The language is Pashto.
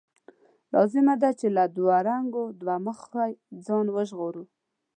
لازمه ده چې له دوه رنګۍ، دوه مخۍ ځان وژغورو.